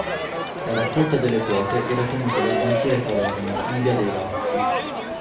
La raccolta delle quote era tenuta dal banchiere Taverna, in via dei Ratti.